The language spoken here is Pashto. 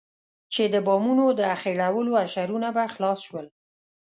چې د بامونو د اخېړولو اشرونه به خلاص شول.